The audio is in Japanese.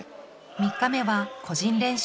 ３日目は個人練習。